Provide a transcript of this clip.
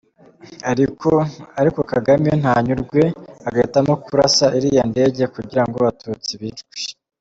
Ariko Kagame ntanyurwe, agahitamo kurasa iriya ndege kugirango abatutsi bicwe!